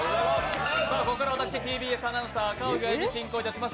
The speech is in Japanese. ここからは私、ＴＢＳアナウンサー赤荻歩、進行いたします。